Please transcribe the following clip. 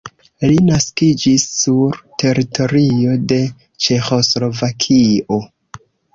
Li naskiĝis sur teritorio de Ĉeĥoslovakio.